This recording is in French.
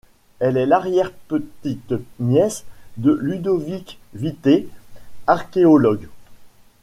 Elle est l'arrière-petite nièce de Ludovic Vitet, archéologue.